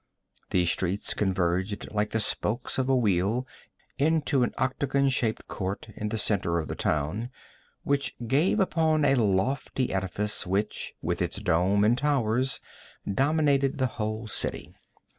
The streets converged like the spokes of a wheel into an octagon shaped court in the center of the town which gave upon a lofty edifice, which, with its domes and towers, dominated the whole city.